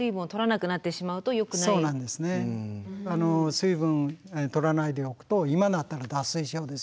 水分とらないでおくと今だったら脱水症ですよね。